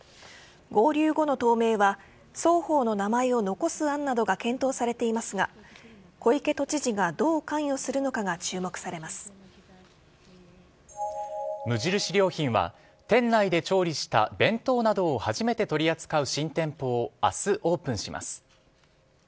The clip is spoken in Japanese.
合流後の党名は双方の名前を残す案などが検討されていますが小池都知事がどう関与するのかが無印良品は店内で調理した弁当などを初めて取り扱う新店舗を明日、オープンします。